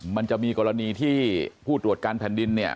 มันจะมีกรณีที่ผู้จัดการแผ่นดิน